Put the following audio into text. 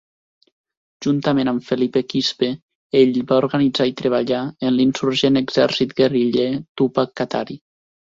Juntament amb Felipe Quispe, ell va organitzar i treballar en l'insurgent Exèrcit Guerriller Túpac Katari